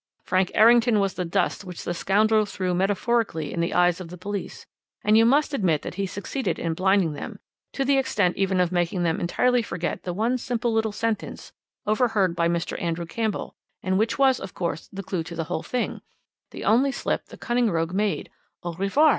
Frank Errington was the dust which the scoundrel threw metaphorically in the eyes of the police, and you must admit that he succeeded in blinding them to the extent even of making them entirely forget the one simple little sentence, overheard by Mr. Andrew Campbell, and which was, of course, the clue to the whole thing the only slip the cunning rogue made 'Au revoir!